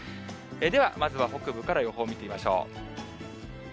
では、まずは北部から予報を見てみましょう。